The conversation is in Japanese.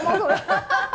ハハハハ！